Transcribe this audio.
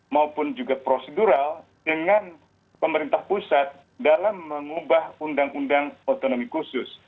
maupun juga prosedural dengan pemerintah pusat dalam mengubah undang undang otonomi khusus